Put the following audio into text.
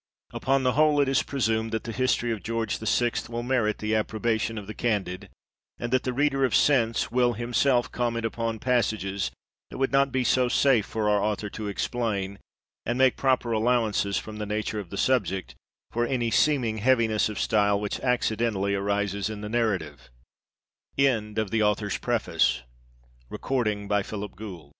Upon the whole, it is presumed, that the history of George the sixth will merit the approbation of the candid ; and that the reader of sense, will xxxii THE AUTHOR'S PREFACE. himself comment upon passages that would not be so safe for our author to explain, and make proper allowances, from the nature of the subject, for any seem ing heaviness of style which accidentally arises in the narr